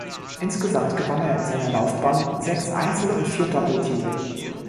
Insgesamt gewann er in seiner Laufbahn sechs Einzel- und vier Doppeltitel.